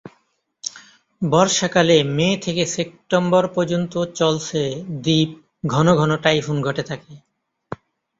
বর্ষাকালে মে থেকে সেপ্টেম্বর পর্যন্ত চলছে দ্বীপ ঘন ঘন টাইফুন ঘটে থাকে।